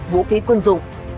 vũ khí quân dùng